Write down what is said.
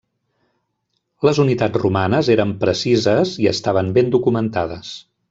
Les unitats romanes eren precises i estaven ben documentades.